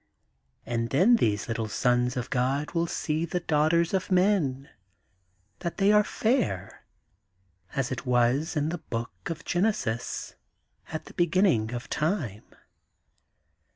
And then these little sons of God will see the daughters of men, that they are fair, as it was in the book of Genesis, at the very beginning of time.